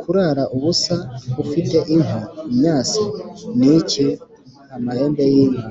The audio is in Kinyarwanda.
Kurara ubusa ufite inkwi (imyase) ni iki ?-Amahembe y'inka.